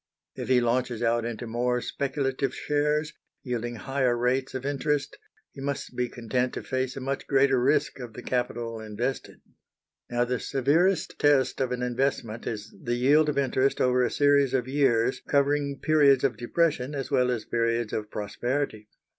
If he launches out into more speculative shares, yielding higher rates of interest, he must be content to face a much greater risk of the capital invested. Now, the severest test of an investment is the yield of interest over a series of years covering periods of depression as well as periods of prosperity.